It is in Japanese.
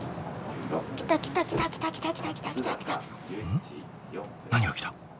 ん？何が来た？